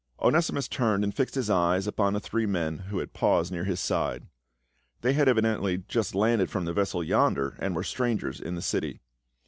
Onesimus turned and fixed his eyes upon the three men who had paused near his side. They had evi dently just landed from the vessel yonder and were strangers in the city.